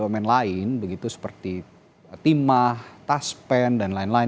tadi di bumn lain begitu seperti timah taspen dan lain lain